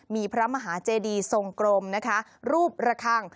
มีพระมหาเจดีทรงกรมนะคะรูประคัง